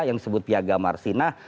yang disebut piagamarsinah